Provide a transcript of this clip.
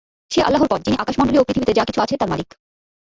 সে আল্লাহর পথ যিনি আকাশমণ্ডলী ও পৃথিবীতে যা কিছু আছে তার মালিক।